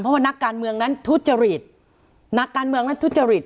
เพราะว่านักการเมืองนั้นทุจริต